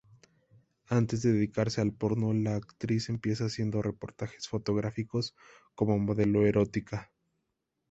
Antes de dedicarse al porno, la actriz empieza haciendo reportajes fotográficos como modelo erótica.